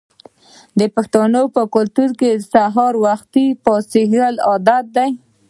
د پښتنو په کلتور کې سهار وختي پاڅیدل عادت دی.